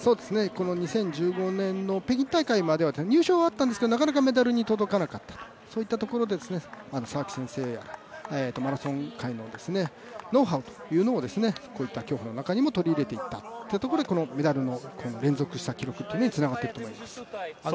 ２０１５年の北京大会までは入賞はあったんですけど、なかなかメダルには届かなかったというところで先生やマラソン界のノウハウというのをこういった競歩の中に取り入れていったというのがメダルの連続した記録っていうのにつながっているんだと思います。